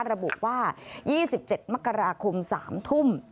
ระบุว่า๒๗มกราคม๓ทุ่ม